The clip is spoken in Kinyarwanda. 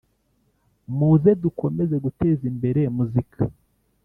muze dukomeze guteza imbere muzika